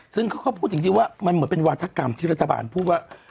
ซึ่งเขาก็พูดจริงว่ามันเหมือนเป็นวาธกรรมที่รัฐบาลพูดว่า